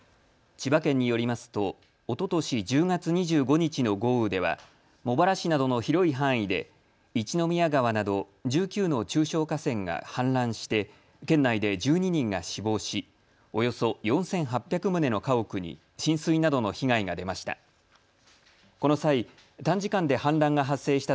千葉県によりますとおととし１０月２５日の豪雨では茂原市などの広い範囲で一宮川など１９の中小河川が氾濫して県内で１２人が死亡しおよそ４８００棟の家屋に浸水などの被害が出ました。